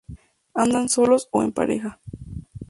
Andan solos o en pareja.